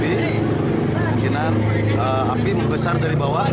kemungkinan api membesar dari bawah